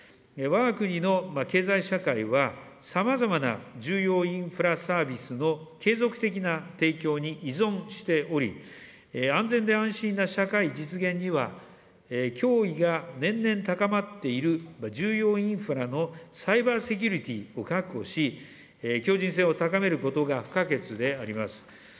わが国の経済社会は、さまざまな重要インフラサービスの継続的な提供に依存しており、安全で安心な社会実現には脅威が年々高まっている重要インフラのサイバー・セキュリティーを確保し、強じん性を高めることが不可欠であります。